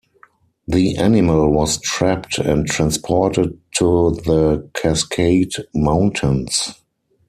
The animal was trapped and transported to the Cascade mountains.